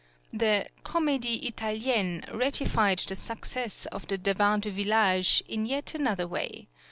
The Comédie Italienne ratified the success of the "Devin du Village" in yet another way.